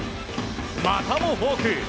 またもフォーク。